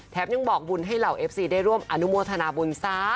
ยังบอกบุญให้เหล่าเอฟซีได้ร่วมอนุโมทนาบุญซะ